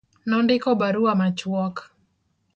Nondiko barua machuok.